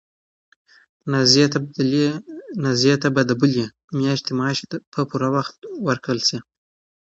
نازیې ته به د بلې میاشتې معاش په پوره وخت ورکړل شي.